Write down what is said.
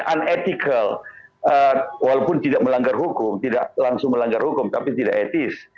unethical walaupun tidak melanggar hukum tidak langsung melanggar hukum tapi tidak etis